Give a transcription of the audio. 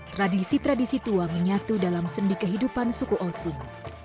tradisi tradisi tua menyatu dalam seni kehidupan suku ossing